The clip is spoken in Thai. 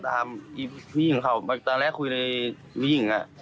เขามาตามผู้หญิงเขาตอนแรกคุยในผู้หญิงอะ